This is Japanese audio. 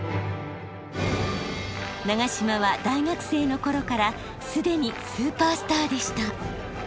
長嶋は大学生のころからすでにスーパースターでした。